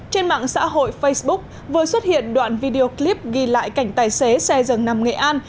trên mạng xã hội facebook vừa xuất hiện đoạn video clip ghi lại cảnh tài xế xe dừng nằm nghệ an